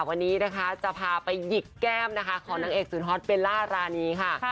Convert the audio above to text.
วันนี้จะพาไปหยิกแก้มของนางเอกศูนย์ฮอตเบลลาร้านี้ค่ะ